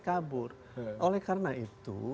kabur oleh karena itu